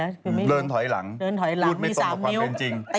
เดินถอยหลังรูดไม่ตรงกับความเป็นจริงเดินถอยหลังดูดไม่ตรงกับความเป็นจริง